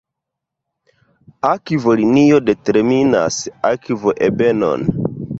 Akvolinio determinas akvoebenon.